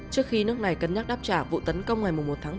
trước khi nước này cân nhắc đáp trả vụ tấn công ngày một tháng bốn